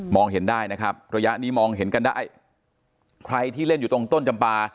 เห็นได้นะครับระยะนี้มองเห็นกันได้ใครที่เล่นอยู่ตรงต้นจำปา